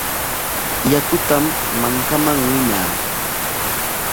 Yakutam mankaman winaa.